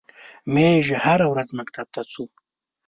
میږ هره ورځ مکتب ته څو.